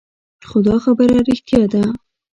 خو دا خبره رښتيا ده.